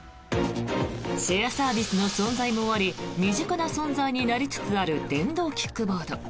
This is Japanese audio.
シェアサービスの存在もあり身近な存在になりつつある電動キックボード。